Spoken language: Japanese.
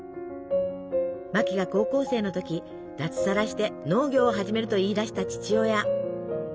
マキが高校生の時脱サラして農業を始めると言い出した父親。